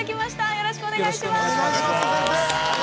よろしくお願いします！